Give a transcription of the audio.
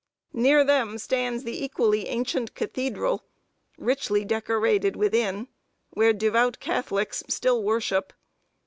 Near them stands the equally ancient cathedral, richly decorated within, where devout Catholics still worship.